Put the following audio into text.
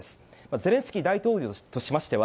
ゼレンスキー大統領としましては